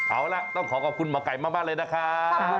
เอาล่ะต้องขอขอบคุณหมอไก่มากเลยนะครับ